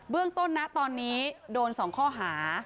เรื่องต้นนะตอนนี้โดน๒ข้อหา